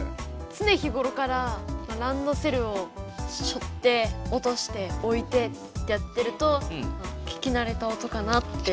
つね日ごろからランドセルをしょって落としておいてってやってると聞きなれた音かなって。